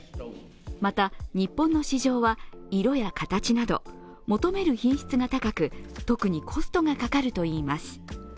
また、日本の市場は色や形など、求める品質が高く、特にコストがかかるといいます。